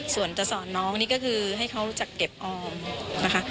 ส่วนจะสอนน้องนี่ก็คือให้เขาจัดเก็บออมนะคะ